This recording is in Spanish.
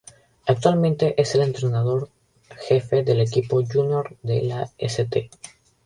Actualmente es el entrenador jefe del equipo junior de la St.